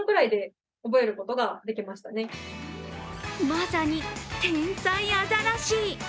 まさに天才アザラシ。